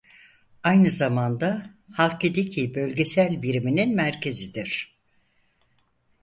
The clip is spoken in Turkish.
Aynı zamanda Halkidiki bölgesel biriminin merkezidir.